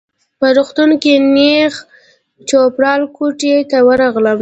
په روغتون کي نیغ د چوپړوال کوټې ته ورغلم.